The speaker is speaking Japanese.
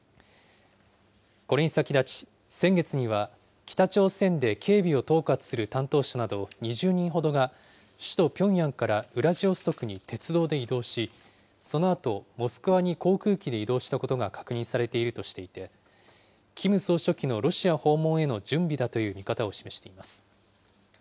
これに先立ち、先月には北朝鮮で警備を統括する担当者など２０人ほどが、首都ピョンヤンからウラジオストクに鉄道で移動し、そのあとモスクワに航空機で移動したことが確認されているとしていて、キム総書記のロシア訪問への準備だという見方を示しています。